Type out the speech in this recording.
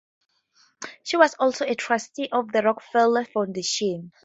She was also a trustee of the Rockefeller Foundation.